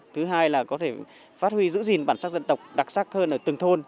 thứ hai là có thể phát huy giữ gìn bản sắc dân tộc đặc sắc hơn ở từng thôn